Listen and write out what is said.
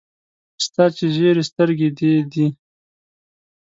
ستا چي ژېري سترګي دې دي .